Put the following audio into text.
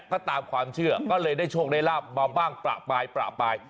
ถ้าตามความเชื่อก็เลยได้โชคได้ลาบมาบ้างประปายประปาย